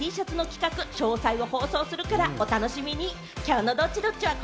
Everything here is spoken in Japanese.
あしたもまたＴシャツの企画、詳細を放送するからお楽しみに。